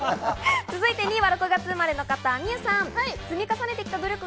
続いて２位は６月生まれの方です、望結さん。